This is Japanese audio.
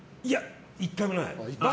１回もない。